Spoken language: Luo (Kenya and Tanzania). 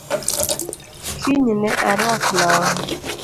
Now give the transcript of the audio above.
Kiny ne aruak long’